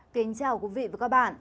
kính chào quý vị và các bạn